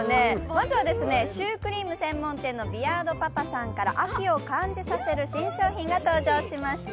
まずはシュークリーム専門店のビアードパパさんから秋を感じさせる新商品が登場しました。